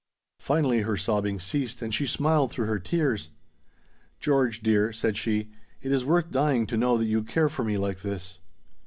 Finally her sobbing ceased, and she smiled through her tears. "George, dear," said she, "it is worth dying, to know that you care for me like this."